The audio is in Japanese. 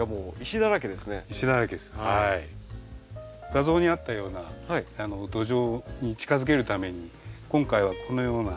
画像にあったような土壌に近づけるために今回はこのような。